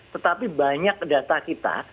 tetapi banyak data kita